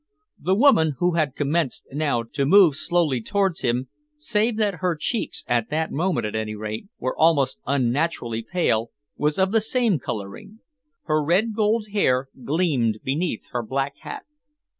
The woman, who had commenced now to move slowly towards him, save that her cheeks, at that moment, at any rate, were almost unnaturally pale, was of the same colouring. Her red gold hair gleamed beneath her black hat.